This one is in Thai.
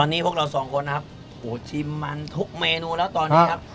วันนี้พวกเราสองคนนะครับโหชิมมันทุกเมนูแล้วตอนนี้ครับ